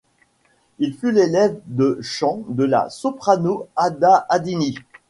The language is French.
Elle fut l'élève de chant de la soprano Ada Adini.